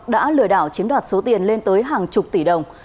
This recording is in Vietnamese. đã lừa đảo chiếm đoạt số tiền lên tới hàng chục tỷ đồng